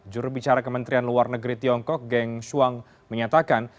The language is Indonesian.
jurubicara kementerian luar negeri tiongkok geng shuang menyatakan